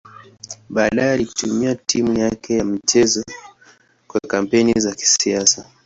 Baadaye alitumia timu yake ya michezo kwa kampeni za kisiasa.